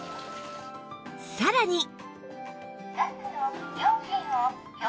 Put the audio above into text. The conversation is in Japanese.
さらに